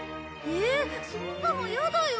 ええそんなのやだよ。